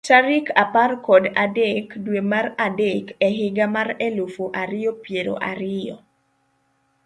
Tarik apar kod adek, dwe mar adek, e higa mar elufu ariyo piero ariyo.